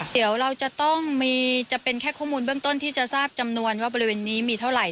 เดี๋ยวเราจะต้องมีจะเป็นแค่ข้อมูลเบื้องต้นที่จะทราบจำนวนว่าบริเวณนี้มีเท่าไหร